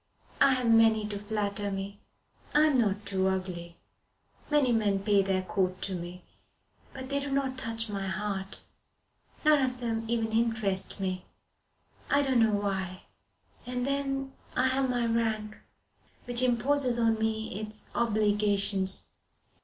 I have many to flatter me. I am not too ugly. Many men pay their court to me, but they do not touch my heart. None of them even interest me. I don't know why. And then I have my rank, which imposes on me its obligations.